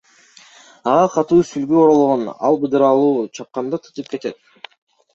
Ага катуу сүлгү оролгон, ал быдыралуу, чапканда тытып кетет.